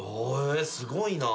すごいな。